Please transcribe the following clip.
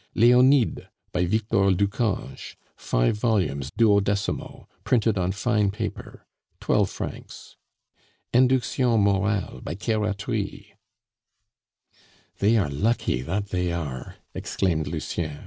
LEONIDE, by Victor Ducange; five volumes 12mo, printed on fine paper. 12 francs. INDUCTIONS MORALES, by Keratry. "They are lucky, that they are!" exclaimed Lucien.